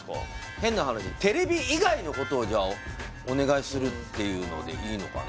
変な話テレビ以外のことをお願いするっていうのでいいのかな